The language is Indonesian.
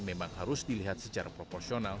memang harus dilihat secara proporsional